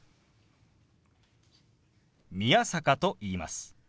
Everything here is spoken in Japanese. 宮坂と言います。